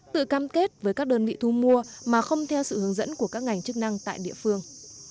tự cam kết với các đơn vị thu mua mà không theo sự hướng dẫn của các ngành chức năng tại địa phương